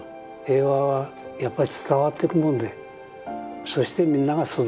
平和はやっぱり伝わってくもんでそしてみんなが育てていくもんだ。